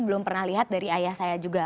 belum pernah lihat dari ayah saya juga